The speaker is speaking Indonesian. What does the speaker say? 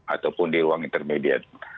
ataupun di ruang intermediate